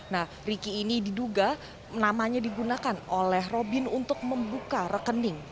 nah riki ini diduga namanya digunakan oleh robin untuk membuka rekening